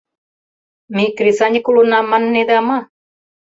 Ме кресаньык улына, маннеда мо?